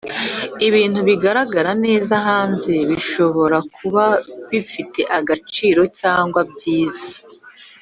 ibintu bigaragara neza hanze ntibishobora kuba bifite agaciro cyangwa byiza.